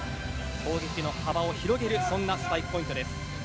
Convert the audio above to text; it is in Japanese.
攻撃の幅を広げるそんなスパイクポイントです。